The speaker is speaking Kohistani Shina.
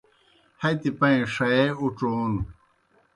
ہتی پائیں ݜیے اُڇھون